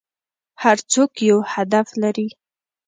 هر څوک یو هدف لري .